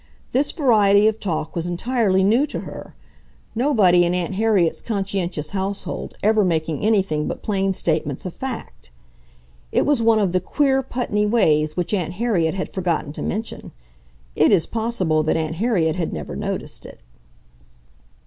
This variety of talk was entirely new to her, nobody in Aunt Harriet's conscientious household ever making anything but plain statements of fact. It was one of the "queer Putney ways" which Aunt Harriet had forgotten to mention. It is possible that Aunt Harriet had never noticed it.